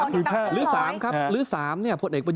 หรือ๓ครับอันนี้